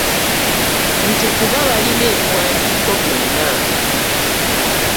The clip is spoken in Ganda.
Nti kuba balina ebiwandiiko byonna